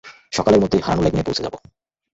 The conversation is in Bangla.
সকালের মধ্যেই হারানো লেগুনে পৌছে যাব।